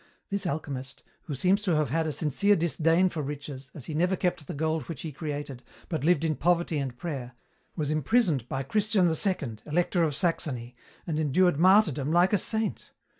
This alchemist, who seems to have had a sincere disdain for riches, as he never kept the gold which he created, but lived in poverty and prayer, was imprisoned by Christian II, Elector of Saxony, and endured martyrdom like a saint.